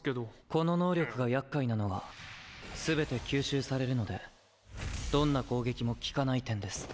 この能力が厄介なのは全て吸収されるのでどんな攻撃も効かない点です。